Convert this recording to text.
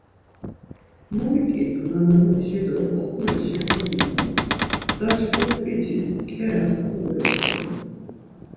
Moiǩidu nana muşi do oxorişa komoonu, daçxurp̌icis, ǩeras kogoloxunu.